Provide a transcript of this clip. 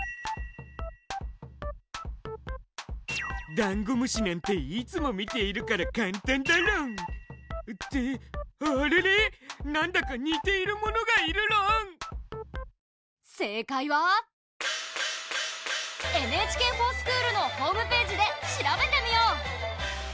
ダンゴムシなんていつも見ているから簡単だろん！ってあれれなんだか似ているものがいるろん⁉正解は「ＮＨＫｆｏｒＳｃｈｏｏｌ」のホームページで調べてみよう！